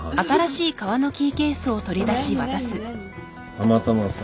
たまたまさ。